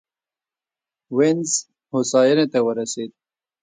وینز هوساینې ته ورسېد.